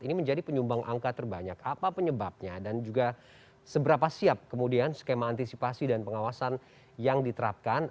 ini menjadi penyumbang angka terbanyak apa penyebabnya dan juga seberapa siap kemudian skema antisipasi dan pengawasan yang diterapkan